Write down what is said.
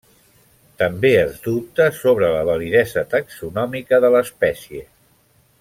També es dubta sobre la validesa taxonòmica de l'espècie.